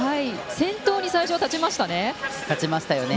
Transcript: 先頭に最初は立ちましたね。